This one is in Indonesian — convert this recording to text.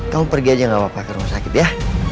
kamu pergi aja gak apa apa ke rumah sakit ya